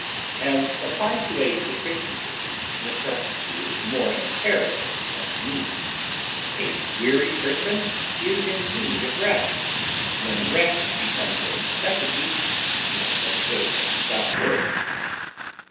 As applied to a deficiency, necessity is more imperative than need; a weary person is in need of rest; when rest becomes a necessity he has no choice but to stop work.